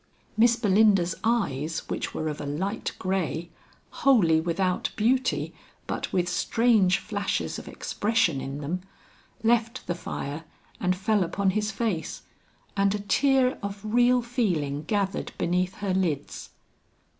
Miss Belinda's eyes which were of a light grey, wholly without beauty but with strange flashes of expression in them, left the fire and fell upon his face, and a tear of real feeling gathered beneath her lids.